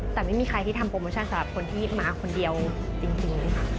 แต่ไม่มีใครที่ทำโปรโมชั่นสำหรับคนที่มาคนเดียวจริงเลยค่ะ